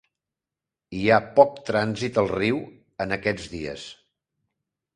Hi ha poc trànsit al riu en aquests dies.